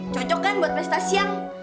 cocok kan buat pesta siang